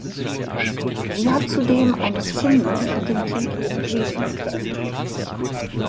Sie hat zudem eine Single mit dem Titel „Dream“ veröffentlicht.